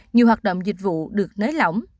nhiều hoạt động dịch vụ được nới lỏng